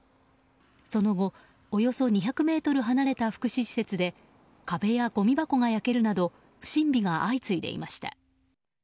その後、およそ２００ｍ離れた福祉施設で壁や、ごみ箱が焼けるなど不審火が相次いでいました。